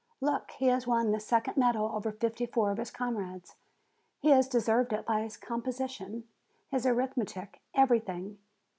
Look : he has won the second medal over fifty four of his comrades. He has deserved it by his composi tion, his arithmetic, everything.